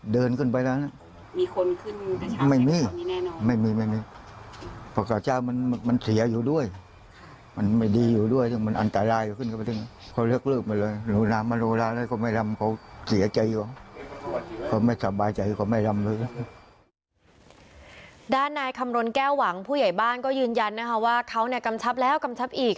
ด้านนายคำรณแก้วหวังผู้ใหญ่บ้านก็ยืนยันนะคะว่าเขาเนี่ยกำชับแล้วกำชับอีก